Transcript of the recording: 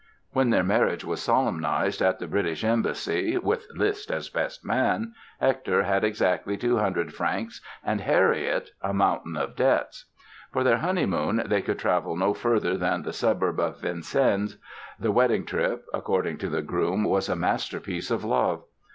When their marriage was solemnized at the British Embassy (with Liszt as best man) Hector had exactly two hundred francs and Harriet—a mountain of debts! For their honeymoon they could travel no further than the suburb of Vincennes. The wedding trip, according to the groom, was "a masterpiece of love".